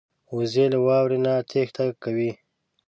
وزې له واورو نه تېښته کوي